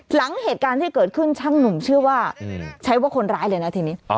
หลังเหตุการณ์ที่เกิดขึ้นช่างหนุ่มเชื่อว่าใช้ว่าคนร้ายเลยนะทีนี้